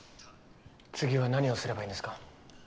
次は何をすればいいんですか？